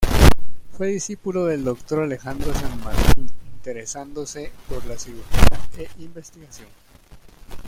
Fue discípulo del doctor Alejandro San Martín, interesándose por la cirugía e investigación.